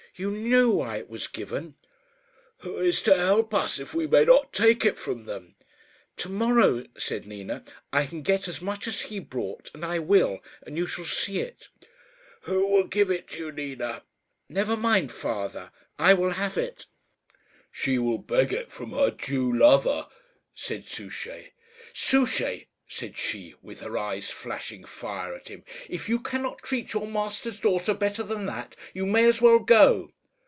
You knew why it was given." "Who is to help us if we may not take it from them?" "To morrow," said Nina, "I can get as much as he brought. And I will, and you shall see it." "Who will give it you, Nina?" "Never mind, father, I will have it." "She will beg it from her Jew lover," said Souchey. "Souchey," said she, with her eyes flashing fire at him, "if you cannot treat your master's daughter better than that, you may as well go."